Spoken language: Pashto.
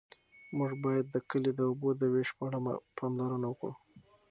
موږ باید د کلي د اوبو د وېش په اړه پاملرنه وکړو.